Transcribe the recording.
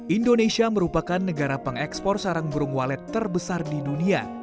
indonesia merupakan negara pengekspor sarang burung walet terbesar di dunia